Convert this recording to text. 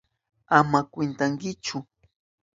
Ama kunkankichu.